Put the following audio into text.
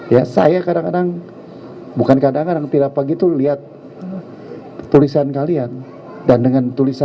ya saya kadang kadang